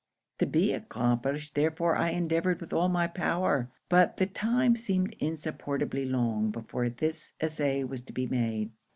To be accomplished, therefore, I endeavoured with all my power; but the time seemed insupportably long, before this essay was to be made.